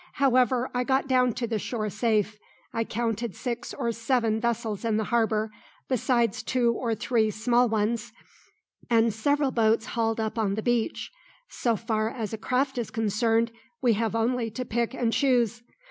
However I got down to the shore safe. I counted six or seven vessels in the harbour, besides two or three small ones, and several boats hauled up on the beach. So far as a craft is concerned, we have only to pick and choose.